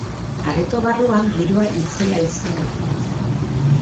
Areto barruan, giroa itzela izan da.